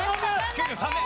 ９３年。